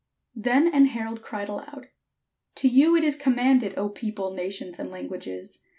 Then an herald cried aloud :" To you it is commanded O people, nations, and languages.